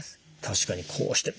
確かにこうして。